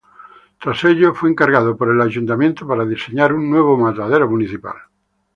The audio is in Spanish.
Tras ello fue encargado por el Ayuntamiento para diseñar un nuevo matadero municipal.